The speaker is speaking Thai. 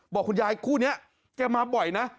บอกคุณยายคู่นี้แกมาบ่อยนะ